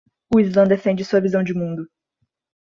O islã defende sua visão de mundo